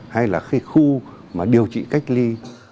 hay là khu điều trị cách ly